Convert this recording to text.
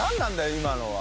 今のは。